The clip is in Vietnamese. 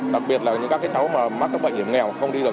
đặc biệt là những các cháu mà mắc các bệnh hiểm nghèo không đi được